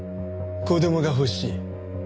子供が欲しい。